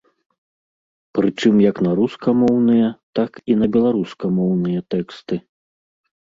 Прычым як на рускамоўныя, так і на беларускамоўныя тэксты.